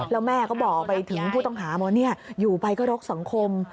แล้วแม่ก็บอกไปถึงผู้ต้องหาว่าอยู่ไปก็รกสังคม